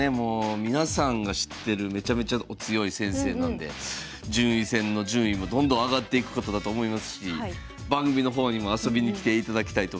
皆さんが知ってるめちゃめちゃお強い先生なんで順位戦の順位もどんどん上がっていくことだと思いますし番組の方にも遊びに来ていただきたいと思います。